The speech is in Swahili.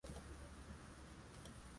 hali hii katika simu huyu ni mwanasheria